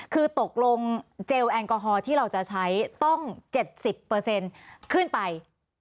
คือตกลงเจลแอลกอฮอลที่เราจะใช้ต้อง๗๐ขึ้นไป